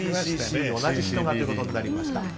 同じ人がということになりました。